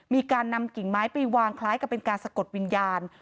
มีการนำกิ่งไม้ไปวางคล้ายกับเป็นการสะกดวิญญาณ